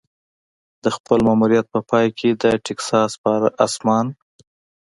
د خپل ماموریت په پای کې د ټیکساس په اسمان.